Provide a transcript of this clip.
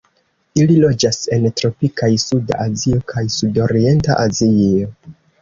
Ili loĝas en tropikaj Suda Azio kaj Sudorienta Azio.